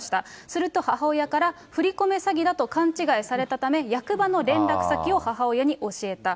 すると母親から、振り込め詐欺だと勘違いされたため、役場の連絡先を母親に教えた。